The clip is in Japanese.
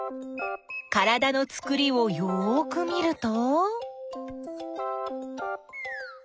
からだのつくりをよく見ると？